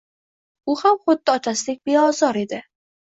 U ham xuddi otasidek beozor edi.